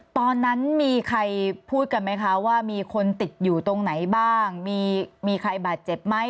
ตอนนั้นมีใครพูดกันไหมคะว่ามีคนติดอยู่ตรงไหนบ้างมีใครบาดเจ็บไหม